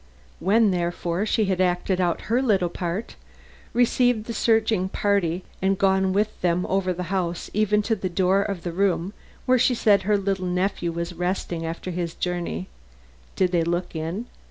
When, therefore, she had acted out her little part received the searching party and gone with them all over the house even to the door of the room where she said her little nephew was resting after his journey (Did they look in?